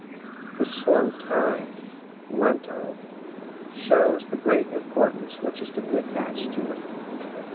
The slow time (Lento) shows the great importance which is to be attached to it.